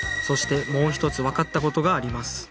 そしてもう一つ分かったことがあります